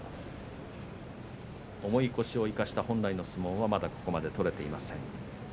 重い腰を生かした本来の相撲がここまで取れていません。